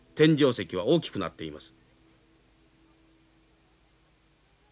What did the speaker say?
石は大きくなっています。